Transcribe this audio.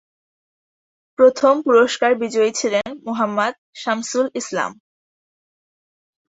প্রথম পুরস্কার বিজয়ী ছিলেন মোহাম্মাদ শামসুল ইসলাম।